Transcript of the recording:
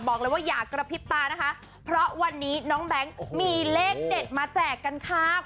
อย่ากระพริบตานะคะเพราะวันนี้น้องแบงค์มีเลขเด็ดมาแจกกันค่ะ